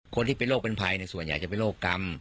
คนที่เป็นโรคเป็นภัยส่วนใหญ่จะเป็นโรคกรรม